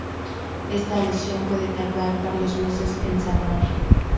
Esta lesión puede tardar varios meses en sanar.